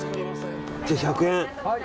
１００円。